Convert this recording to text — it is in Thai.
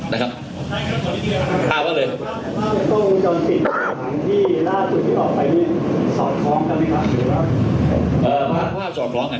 นะครับพาไปเลย